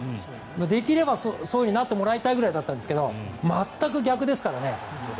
できればそういうふうになってもらいたいぐらいだったんですが全く逆ですからね。